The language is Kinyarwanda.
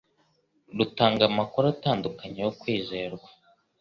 rutanga amakuru atandukanye yo kwizerwa